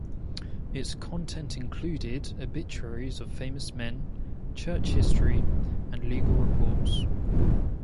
Its content included obituaries of famous men, church history, and legal reports.